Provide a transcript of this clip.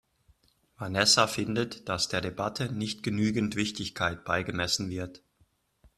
Vanessa findet, dass der Debatte nicht genügend Wichtigkeit beigemessen wird.